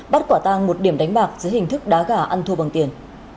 bắt quả tang một điểm đánh bạc dưới hình thức đá gà ăn thua bằng tiền